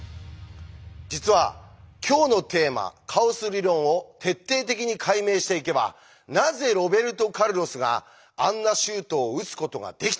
実は今日のテーマ「カオス理論」を徹底的に解明していけばなぜロベルト・カルロスがあんなシュートを打つことができたのか。